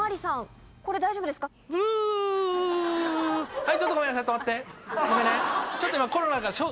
はい。